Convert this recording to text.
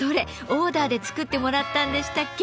オーダーで作ってもらったんでしたっけ？